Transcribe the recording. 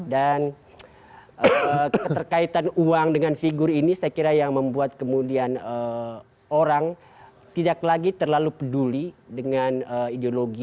dan keterkaitan uang dengan figur ini saya kira yang membuat kemudian orang tidak lagi terlalu peduli dengan ideologi